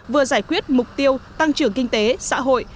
vừa giải quyết mục tiêu tăng trưởng kinh tế xã hội